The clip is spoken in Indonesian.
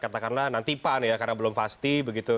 katakanlah nanti pak nih ya karena belum pasti